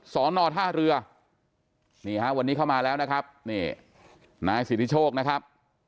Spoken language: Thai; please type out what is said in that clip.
สอนอท่าเรือนี่ฮะวันนี้เข้ามาแล้วนะครับนี่นายสิทธิโชคนะครับ